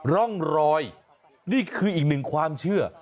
ร่องรอยนี่คืออีกหนึ่งความเชื่อ